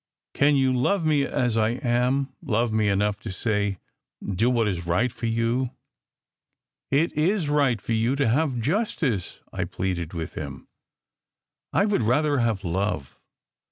Can you love me as I am, love me enough to say: Do what is right for you? " "It is right for ygu to have justice!" I pleaded with him. "I would rather have love."